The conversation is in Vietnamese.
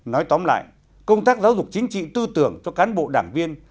nói tóm lại công tác giáo dục chính trị tư tưởng cho cán bộ đảng viên